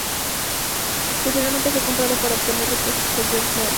Posteriormente fue comprado para obtener repuestos por John Morris.